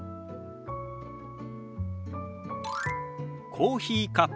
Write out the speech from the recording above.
「コーヒーカップ」。